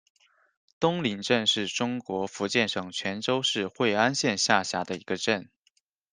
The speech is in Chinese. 东岭镇是中国福建省泉州市惠安县下辖的一个镇。